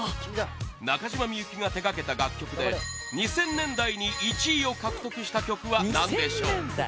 中島みゆきが手掛けた楽曲で２０００年代に１位を獲得した曲は何でしょう？